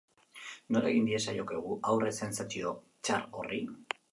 Nola egin diezaiokegu aurre sentsazio txar horri?